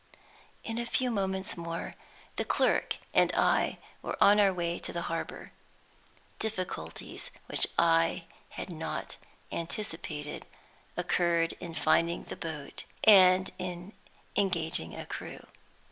In a few minutes more the clerk and I were on our way to the harbor. Difficulties which I had not anticipated occurred in finding the boat and in engaging a crew.